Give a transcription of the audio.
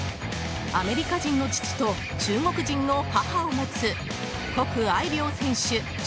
アメリカ人の父と中国人の母を持つコク・アイリョウ選手